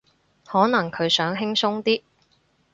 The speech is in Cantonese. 可能佢想輕鬆啲